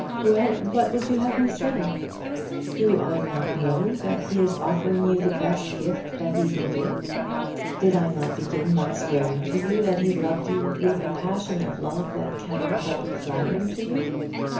"Well; what would you have me say? Do I not know that he is offering you the best gift that he can give? Did I not begin by swearing to you that he loved you with a passion of love that cannot but be flattering to you?